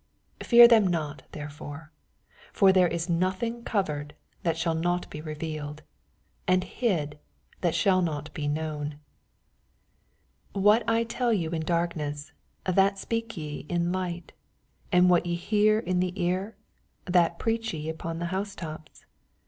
26 Fear them not therefore: for there is nothing covered, that shall not be revealed ; and hid, that shall not be known. 27 What I tell yon in darkness that epeak je in light: and what ye hear in the ear, that preach ye upon the housetops.